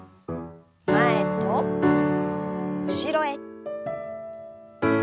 前と後ろへ。